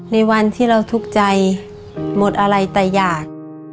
ในวันที่เราทุกข์ใจหมดอะไรแต่อยาก